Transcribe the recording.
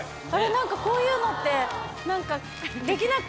何かこういうのって。